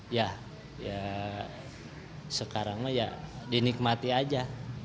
ya sekarang lah ya dinikmati aja